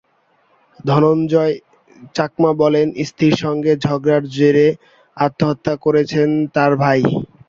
ধনঞ্জয় চাকমা বলেন, স্ত্রীর সঙ্গে ঝগড়ার জেরে আত্মহত্যা করেছেন তাঁর ভাই।